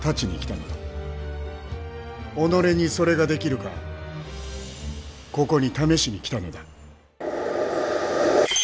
己にそれができるかここに試しに来たのだ。